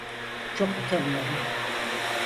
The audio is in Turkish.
Çok utanıyorum!